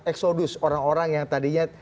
eksodus orang orang yang tadinya